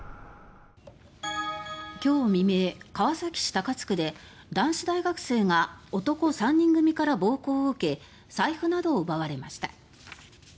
今日未明、川崎市高津区で男子大学生が男３人組から暴行を受け財布などを奪われました。